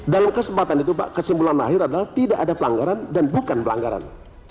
dalam kesempatan itu pak kesimpulan akhir adalah tidak ada pelanggaran dan bukan pelanggaran